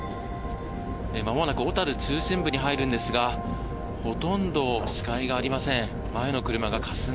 まもなく小樽中心部に入るんですがほとんど視界がありません。